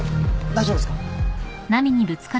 大丈夫ですか。